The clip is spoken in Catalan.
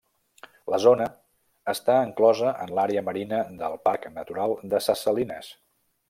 La zona està enclosa en l'àrea marina del Parc natural de ses Salines.